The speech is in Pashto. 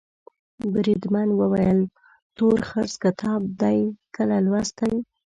بریدمن وویل تورخرس کتاب دي کله لوستی.